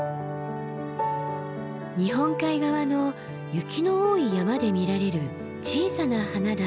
日本海側の雪の多い山で見られる小さな花だ。